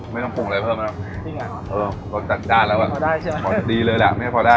ไม่ต้องปุ่มอะไรเพิ่มนะ